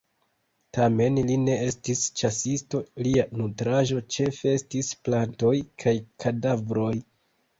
Tamen li ne estis ĉasisto, lia nutraĵo ĉefe estis plantoj kaj kadavroj.